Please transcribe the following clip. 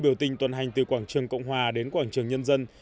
biểu tình tuần hành từ quảng trường cộng hòa đến quảng trường nhân dân